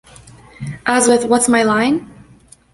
As with What's My Line?